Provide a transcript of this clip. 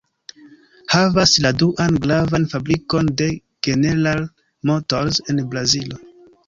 Havas la duan gravan fabrikon de General Motors en Brazilo.